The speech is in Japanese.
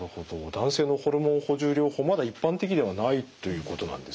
男性のホルモン補充療法まだ一般的ではないということなんですね。